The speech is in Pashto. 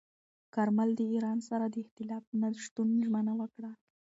کارمل د ایران سره د اختلاف د نه شتون ژمنه وکړه.